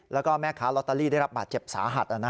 แล้วก็แม่ค้าลอตเตอรี่ได้รับบาดเจ็บสาหัส